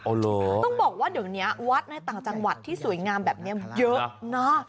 โอ้โหต้องบอกว่าเดี๋ยวนี้วัดในต่างจังหวัดที่สวยงามแบบนี้เยอะเนอะ